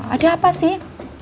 ada apa sih